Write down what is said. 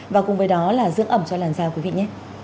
và cùng với đó là dưỡng ẩm cho làn dao quý vị nhé